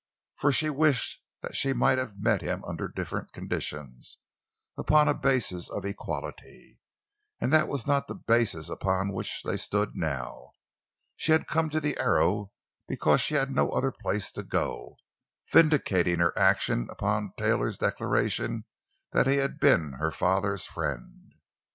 For she wished that she might have met him under different conditions—upon a basis of equality. And that was not the basis upon which they stood now. She had come to the Arrow because she had no other place to go, vindicating her action upon Taylor's declaration that he had been her father's friend.